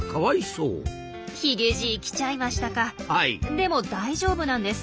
でも大丈夫なんです。